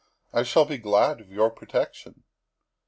I shall be glad of your protection."